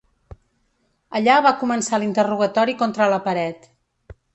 Allà va començar l’interrogatori contra la paret.